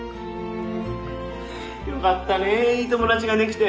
良かったねいい友達が出来て。